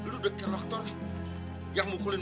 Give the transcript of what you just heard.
lo the kolektor yang mukulin